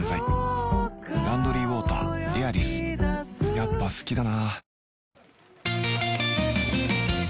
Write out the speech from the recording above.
やっぱ好きだな